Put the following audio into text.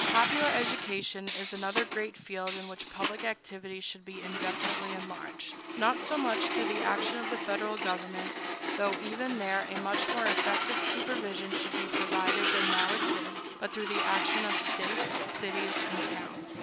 Popular education is another great field in which public activity should be indefinitely enlarged, not so much through the action of the Federal government,—though even there a much more effective supervision should be provided than now exists,—but through the action of States, cities, and towns.